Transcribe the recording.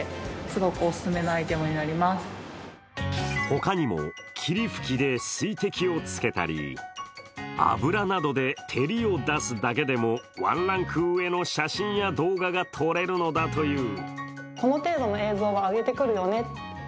他にも、霧吹きで水滴をつけたり油などで照りを出すだけでもワンランク上の写真や動画が撮れるのだという。